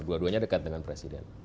dua duanya dekat dengan presiden